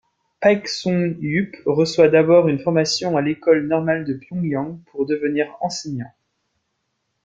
Paek Sun-yup reçoit d'abord une formation à l'école normale de Pyongyang pour devenir enseignant.